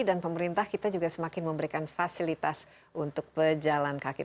dan pemerintah kita juga semakin memberikan fasilitas untuk pejalan kaki